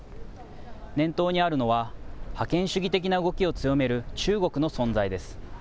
念頭にあるのは、覇権主義的な動きを強める中国の存在です。